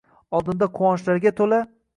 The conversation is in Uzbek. Oldinda quvonchlarga to‘la